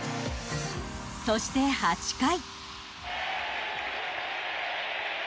そして、８回。